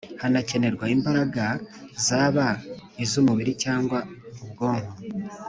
hakenerwa imbaraga Zaba iz’umubiri cyangwa ubwonko